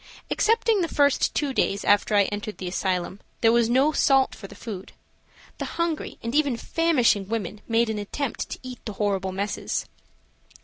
Excepting the first two days after I entered the asylum, there was no salt for the food. The hungry and even famishing women made an attempt to eat the horrible messes.